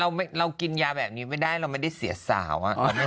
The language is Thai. เรากินยาแบบนี้ไม่ได้เราไม่ได้เสียสาว